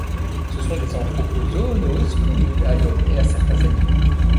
Ce sont des anthropozoonoses, communes à l’homme et à certains animaux.